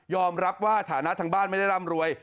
รับว่าฐานะทางบ้านไม่ได้ร่ำรวย